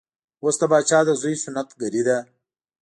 اوس د پاچا د زوی سنت ګري ده.